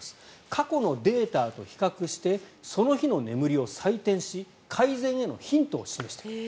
過去のデータと比較してその日の眠りを採点し改善へのヒントを示してくれる。